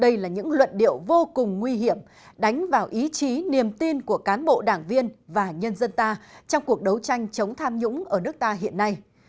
đây là những luận điệu vô cùng nguy hiểm đánh vào ý chí niềm tin của cán bộ đảng viên và nhân dân ta trong cuộc đấu tranh chống tham nhũng ở nước ta hiện nay